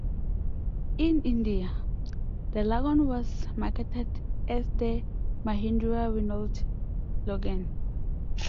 In India, the Logan was marketed as the Mahindra Renault Logan.